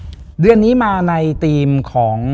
และในค่ำคืนวันนี้แขกรับเชิญที่มาเยี่ยมสักครั้งครับ